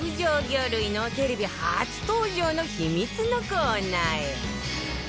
魚類のテレビ初登場の秘密のコーナーへ